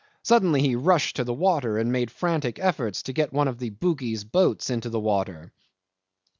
Suddenly he rushed to the water, and made frantic efforts to get one of the Bugis boats into the water.